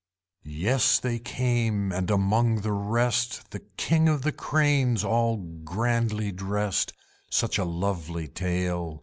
Yes, they came; and among the rest The King of the Cranes all grandly dressed. Such a lovely tail!